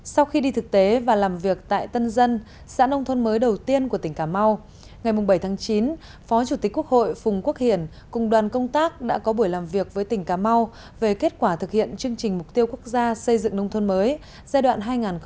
sau khi đi thực tế và làm việc tại tân dân xã nông thôn mới đầu tiên của tỉnh cà mau ngày bảy chín phó chủ tịch quốc hội phùng quốc hiển cùng đoàn công tác đã có buổi làm việc với tỉnh cà mau về kết quả thực hiện chương trình mục tiêu quốc gia xây dựng nông thôn mới giai đoạn hai nghìn một mươi một hai nghìn hai mươi